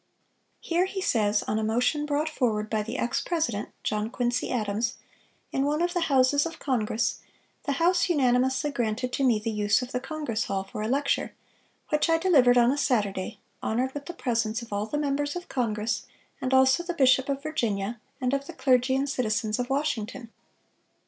Here, he says, "on a motion brought forward by the ex president, John Quincy Adams, in one of the houses of Congress, the House unanimously granted to me the use of the Congress Hall for a lecture, which I delivered on a Saturday, honored with the presence of all the members of Congress, and also of the bishop of Virginia, and of the clergy and citizens of Washington.